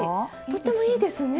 とってもいいですね。